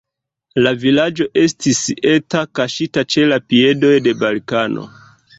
La vilaĝo estis eta, kaŝita ĉe la piedoj de Balkano.